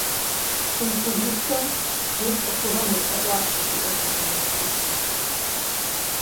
Щымыхъужыххэм, Гур ЦӀыхугъэм елъэӀуащ къыдиӀыгъыну Мылъкур.